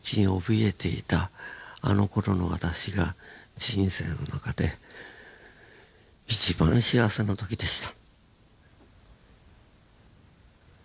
あのころの私が人生の中で一番幸せな時でした」。